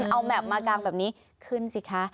เอาแมพมากางแบบนี้ขึ้นสิคะ